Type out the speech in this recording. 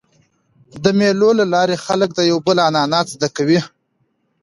د مېلو له لاري خلک د یو بل عنعنات زده کوي.